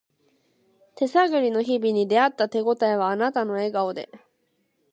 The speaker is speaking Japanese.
手探りの日々に出会った手ごたえはあなたの笑顔で